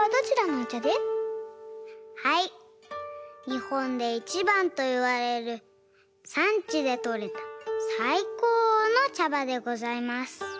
にほんでいちばんといわれるさんちでとれたさいこうのちゃばでございます。